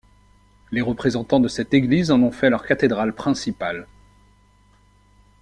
Les représentants de cette Église en ont fait leur cathédrale principale.